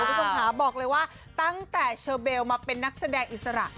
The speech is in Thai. คุณผู้ชมค่ะบอกเลยว่าตั้งแต่เชอเบลมาเป็นนักแสดงอิสระ